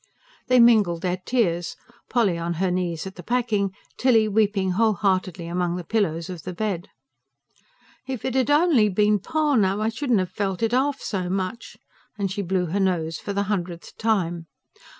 They mingled their tears, Polly on her knees at the packing, Tilly weeping whole heartedly among the pillows of the bed. "If it 'ad only been pa now, I shouldn't have felt it half so much," and she blew her nose for the hundredth time.